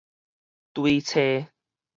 追揣